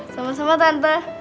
sama sama tante